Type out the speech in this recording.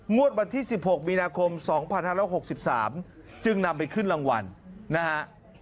งวดวันที่๑๖มีนาคม๒๐๒๑แล้ว๖๓จึงนำไปขึ้นรางวัลนะฮะ